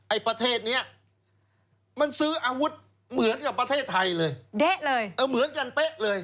ไอ้ประเทศเนี้ยมันซื้ออาวุธเหมือนกับประเทศไทยเลยเด๊ะเลยเออเหมือนกันเป๊ะเลย